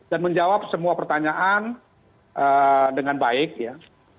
dan menjawab semua pertanyaan dengan baik ya